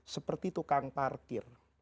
seperti tukang parkir